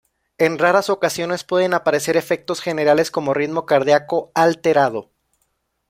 En raras ocasiones pueden aparecer efectos generales como ritmo cardiaco alterado.